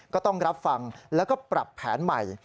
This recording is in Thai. ก็ต้องรับฟังแล้วก็ปรับแผนใหม่